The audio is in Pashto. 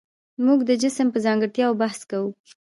موږ د جسم په ځانګړتیاوو بحث کوو.